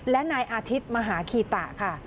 และนายอาทิตย์มหาคีตะค่ะ